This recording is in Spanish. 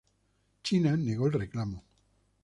China negó el reclamo.